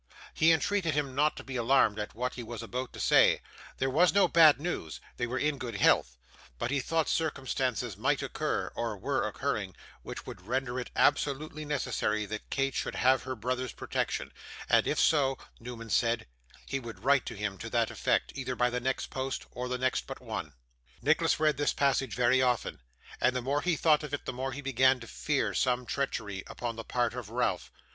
He entreated him not to be alarmed at what he was about to say; there was no bad news they were in good health but he thought circumstances might occur, or were occurring, which would render it absolutely necessary that Kate should have her brother's protection, and if so, Newman said, he would write to him to that effect, either by the next post or the next but one. Nicholas read this passage very often, and the more he thought of it the more he began to fear some treachery upon the part of Ralph.